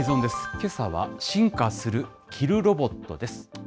けさは進化する着るロボットです。